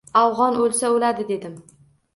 Afg’on o’lsa o’ladi, dedim.